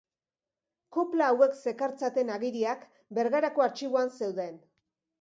Kopla hauek zekartzaten agiriak Bergarako Artxiboan zeuden.